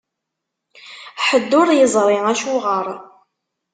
Ḥedd ur yeẓri acuɣer.